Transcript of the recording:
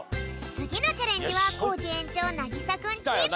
つぎのチャレンジはコージ園長なぎさくんチーム！